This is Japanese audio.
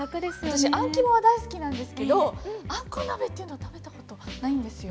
私あん肝は大好きなんですけどあんこう鍋っていうのは食べたことないんですよ。